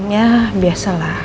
ya biasa lah